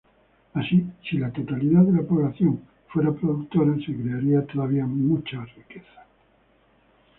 Así, si la totalidad de la población fuera productora, se crearían todavía muchas riquezas.